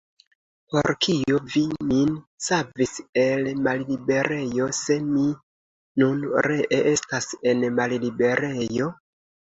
Por kio vi min savis el malliberejo, se mi nun ree estas en malliberejo?